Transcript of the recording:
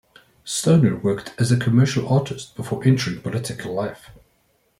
Stoner worked as a commercial artist before entering political life.